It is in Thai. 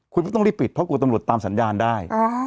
คุณไม่ต้องรีบปิดเพราะกลัวตำรวจตามสัญญาณได้